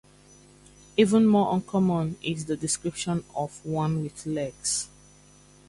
Even more uncommon is the description of one with legs.